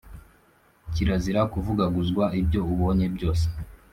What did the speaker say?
kirazira kuvugaguzwa ibyo ubonye byose